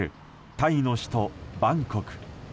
タイの首都バンコク。